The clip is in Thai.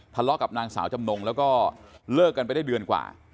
ทะเลาะกับนางสาวจำนงแล้วก็เลิกกันไปได้เดือนกว่า